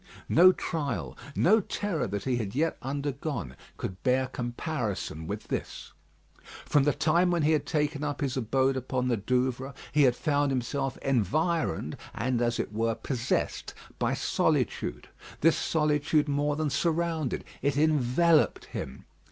No trial, no terror that he had yet undergone, could bear comparison with this. From the time when he had taken up his abode upon the Douvres, he had found himself environed, and, as it were, possessed by solitude. This solitude more than surrounded, it enveloped him.